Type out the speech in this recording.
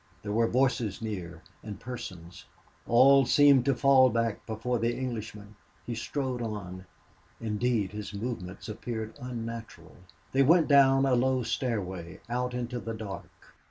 There were voices near and persons. All seemed to fall back before the Englishman. He strode on. Indeed, his movements appeared unnatural. They went down a low stairway, out into the dark.